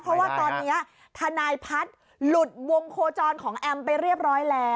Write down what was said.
เพราะว่าตอนนี้ทนายพัฒน์หลุดวงโคจรของแอมไปเรียบร้อยแล้ว